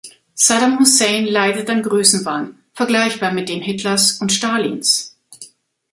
Saddam Hussein leidet an Größenwahn, vergleichbar mit dem Hitlers und Stalins.